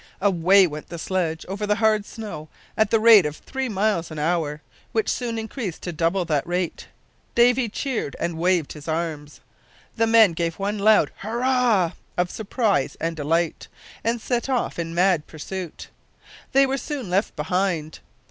Away went the sledge over the hard snow at the rate of three miles an hour, which soon increased to double that rate. Davy cheered and waved his arms. The men gave one loud "hurrah" of surprise and delight, and set off in mad pursuit. They were soon left behind.